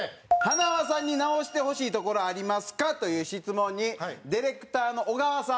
「塙さんに直してほしいところありますか？」という質問にディレクターの小川さん。